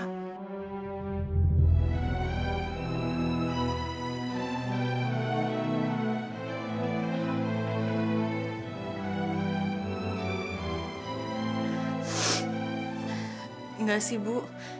enggak sih bu